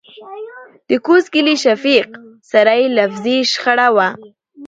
دکوز کلي شفيق سره يې لفظي شخړه وه .